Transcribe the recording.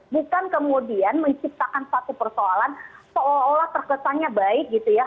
bukan kemudian menciptakan satu persoalan seolah olah terkesannya baik gitu ya